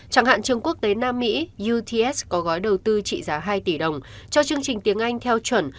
chẳng hạn trường quốc tế nam mỹ uts có gói đầu tư trị giá hai tỷ đồng cho chương trình tiếng anh theo chuẩn